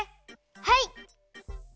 はい！